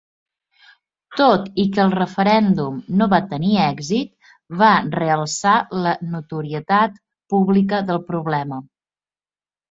Tot i que el referèndum no va tenir èxit, va realçar la notorietat pública del problema.